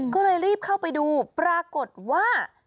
ก็เลยรีบเข้าไปดูปรากฏว่า